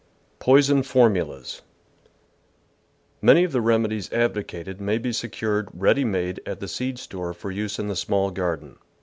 POISON FORMULAS Many .of the remedies advocated may be secured ready made at the seed stores for use in the small garden.